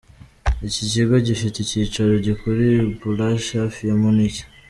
Iki kigo gifite icyicaro gikuru I Pullach hafi ya Munich.